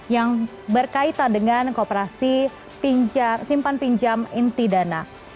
yang berkaitan dengan kooperasi simpan pinjam inti dana